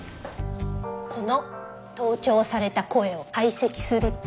この盗聴された声を解析すると。